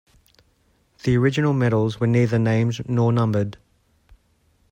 The original medals were neither named nor numbered.